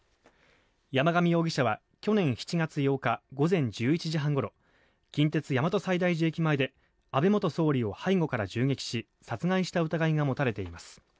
山上容疑者は去年７月８日午前１１時半ごろ近鉄大和西大寺駅前で安倍元総理を背後から銃撃し殺害した疑いが持たれています。